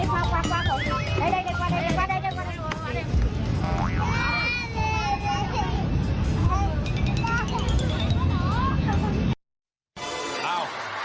มาด้วย